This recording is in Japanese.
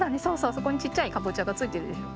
そこにちっちゃいかぼちゃがついてるでしょ？